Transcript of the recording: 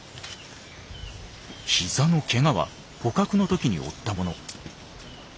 膝のケガは捕獲の時に負ったもの。